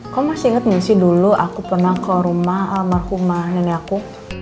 kamu masih inget gak sih dulu aku pernah ke rumah alamarku sama nenek aku